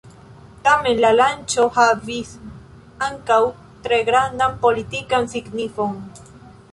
Tamen la lanĉo havis ankaŭ tre grandan politikan signifon.